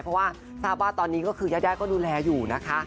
เพราะว่าทราบว่าตอนนี้ก็คือยายาก็ดูแลอยู่นะคะ